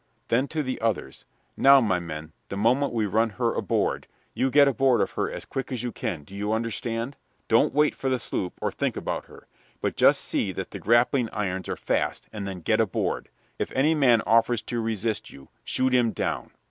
Then to the others: "Now, my men, the moment we run her aboard, you get aboard of her as quick as you can, do you understand? Don't wait for the sloop or think about her, but just see that the grappling irons are fast, and then get aboard. If any man offers to resist you, shoot him down.